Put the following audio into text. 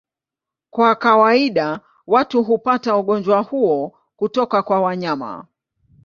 Kwa kawaida watu hupata ugonjwa huo kutoka kwa wanyama.